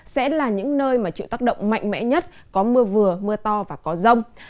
sẽ là những nơi mà chịu tác động mạnh mẽ nhất có mưa vừa mưa to và có rông